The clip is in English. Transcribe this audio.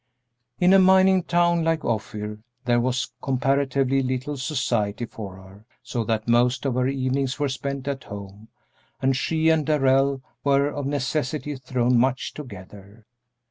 In a mining town like Ophir there was comparatively little society for her, so that most of her evenings were spent at home, and she and Darrell were of necessity thrown much together.